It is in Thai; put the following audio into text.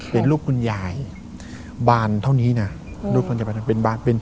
เป็นรูปคุณยายบานเท่านี้นะ